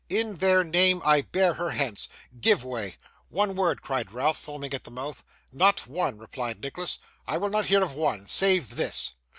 In their name I bear her hence. Give way!' 'One word!' cried Ralph, foaming at the mouth. 'Not one,' replied Nicholas, 'I will not hear of one save this.